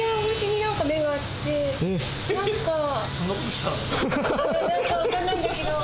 なんか分かんないんだけど。